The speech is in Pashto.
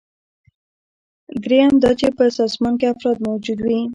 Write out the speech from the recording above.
دریم دا چې په سازمان کې افراد موجود وي.